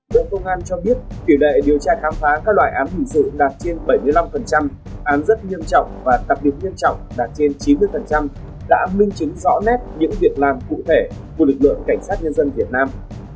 bộ công an cho biết tỷ lệ điều tra khám phá các loại án hình sự đạt trên bảy mươi năm án rất nghiêm trọng và đặc biệt nghiêm trọng đạt trên chín mươi đã minh chứng rõ nét những việc làm cụ thể của lực lượng cảnh sát nhân dân việt nam